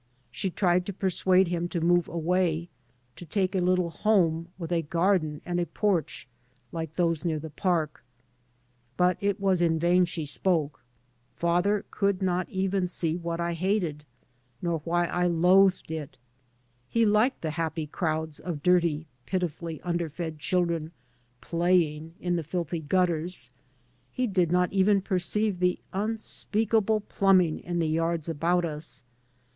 She tried to persuade him to move away, to take a little home, " with a garden and a porch, like those near the park." But it was in vain she spoke. Father could not even see that what I hated, nor why I loathed it. He liked the " happy crowds " of dirty, pitifully underfed children " play ing " in the filthy gutters; he did not even perceive the unspeakable plumbing in the yards about us.